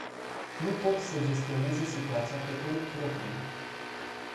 Nu pot să gestioneze situația pe cont propriu.